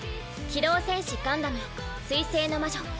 「機動戦士ガンダム水星の魔女」